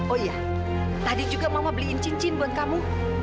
oh iya tadi juga mama beliin cincin buat kamu